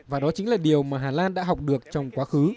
và đó chính là điều mà hà lan đã học được trong quá khứ